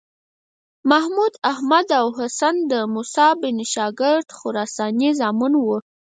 محمد، احمد او حسن د موسی بن شاګر خراساني زامن وو.